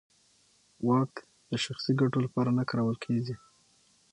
واک د شخصي ګټو لپاره نه کارول کېږي.